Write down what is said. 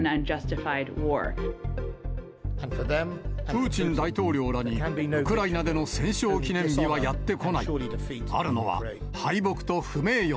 プーチン大統領らに、ウクライナでの戦勝記念日はやって来ない。